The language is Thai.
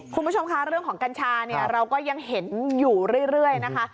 คุณผู้ชมคะเรื่องของกัญชาเนี่ยเราก็ยังเห็นอยู่เรื่อยนะคะ